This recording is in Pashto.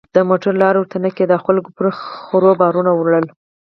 د موټر لاره ورته نه کېده او خلکو پر خرو بارونه ور وړل.